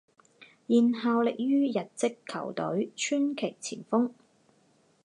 现效力于日职球队川崎前锋。